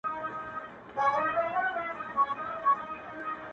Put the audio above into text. چي مي بایللی و ـ وه هغه کس ته ودرېدم ـ